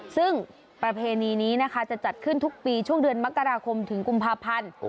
ซึ่งประเพณีนี้นะคะจะจัดขึ้นทุกปีช่วงเดือนมกราคมถึงกุมภาพันธ์